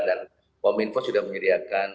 dan pom info sudah menyediakan